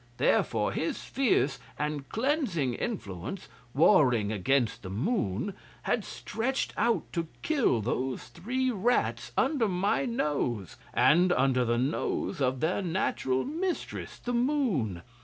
Therefore his fierce and cleansing influence, warring against the Moon, had stretched out to kill those three rats under my nose, and under the nose of their natural mistress, the Moon.